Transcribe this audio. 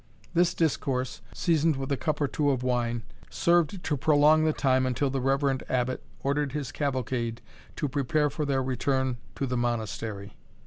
This discourse, seasoned with a cup or two of wine, served to prolong the time until the reverend Abbot ordered his cavalcade to prepare for their return to the Monastery.